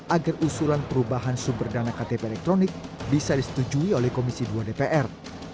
agar usulan perubahan sumber dana ktp elektronik bisa disetujui oleh komisi dua dpr